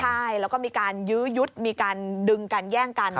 ใช่แล้วก็มีการยื้อยุดมีการดึงกันแย่งกัน